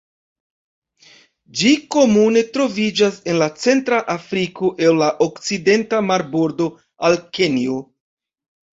Ĝi komune troviĝas en Centra Afriko el la okcidenta marbordo al Kenjo.